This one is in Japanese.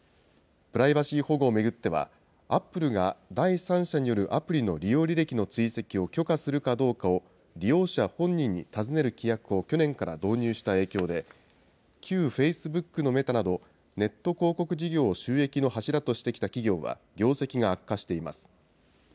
プライバシー保護を巡っては、アップルが第三者によるアプリの利用履歴の追跡を許可するかどうかを、利用者本人に尋ねる規約を去年から導入した影響で、旧フェイスブックのメタなど、ネット広告事業を収益の柱としてきた企業は業績が悪化しています。